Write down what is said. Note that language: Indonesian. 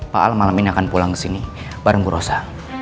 pak al malam ini akan pulang kesini bareng bu rosa